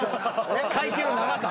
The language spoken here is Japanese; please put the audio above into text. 会見の長さ？